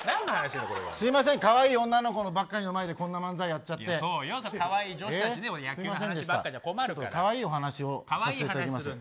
すいません、かわいい女の子ばかりの前でこんな漫才やっちゃって。かわいいお話をさせてもらいます。